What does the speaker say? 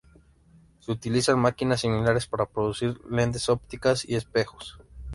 Se utilizan máquinas similares para producir lentes ópticas y espejos.